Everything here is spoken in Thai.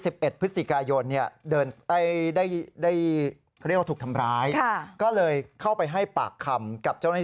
๑๑พฤศจิกายนเดินไปได้